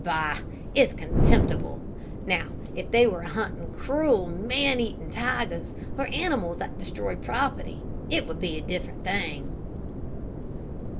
Bah, it's contemptible. Now if they were hunting cruel, man eating tigers, or animals that destroy property, it would be a different thing."